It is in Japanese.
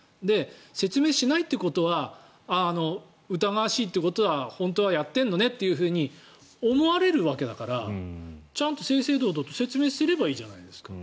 説明しないということは疑わしいということは本当はやってるのね？と思われるわけだからちゃんと正々堂々と説明すればいいじゃないですか。